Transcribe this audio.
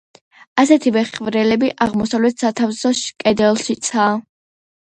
ასეთივე ხვრელები აღმოსავლეთ სათავსოს კედელშიცაა.